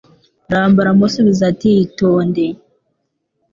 Ramba aramusubiza ati itonde